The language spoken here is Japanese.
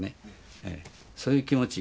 そういう気持ち